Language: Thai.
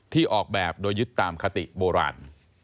ออกแบบโดยยึดตามคติโบราณ